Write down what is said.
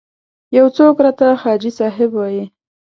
یو څوک راته حاجي صاحب وایي.